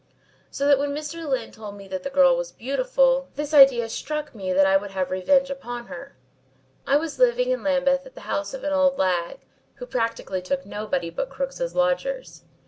"So that when Mr. Lyne told me that the girl was beautiful, this idea struck me that I would have revenge upon her. I was living in Lambeth at the house of an old lag, who practically took nobody but crooks as lodgers.